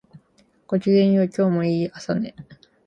ごきげんよう、今日もいい朝ね